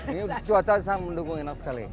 ini cuaca sangat mendukung enak sekali